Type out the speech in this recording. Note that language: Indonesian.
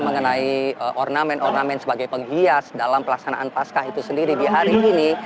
mengenai ornamen ornamen sebagai penghias dalam pelaksanaan pascah itu sendiri di hari ini